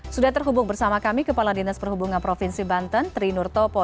sudah terhubung bersama kami kepala dinas perhubungan provinsi banten tri nur topo